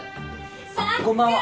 あっこんばんは。